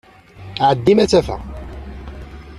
Ɛeddi ma ad t-afeɣ.